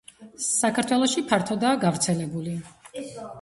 საქართველოში ფართოდაა გავრცელებული.